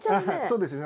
そうですね。